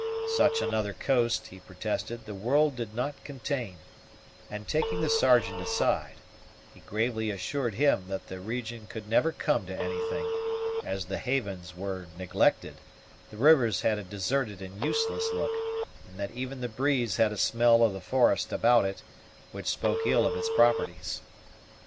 Such another coast, he protested, the world did not contain; and, taking the Sergeant aside, he gravely assured him that the region could never come to anything, as the havens were neglected, the rivers had a deserted and useless look, and that even the breeze had a smell of the forest about it, which spoke ill of its properties.